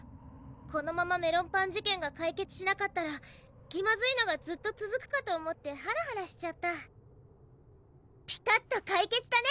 このままメロンパン事件が解決しなかったら気まずいのがずっとつづくかと思ってハラハラしちゃったピカッと解決だね！